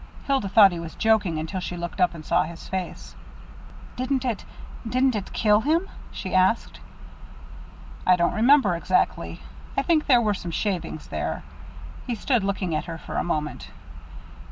Hilda thought he was joking until she looked up and saw his face. "Didn't it didn't it kill him?" she asked. "I don't remember exactly. I think there were some shavings there." He stood looking at her for a moment.